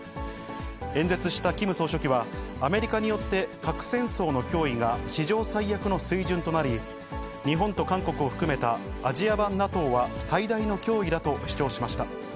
演説したキム総書記は、アメリカによって核戦争の脅威が史上最悪の水準となり、日本と韓国を含めたアジア版ＮＡＴＯは最大の脅威だと主張しました。